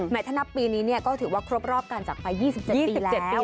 แมบถนับปีนี้เนี้ยก็ถือว่าครบรอบกันจากไปยี่สิบเจ็ดปีแล้ว